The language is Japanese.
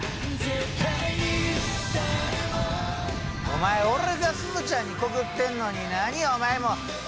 お前俺がすずちゃんに告ってんのに何お前も告っとんじゃ！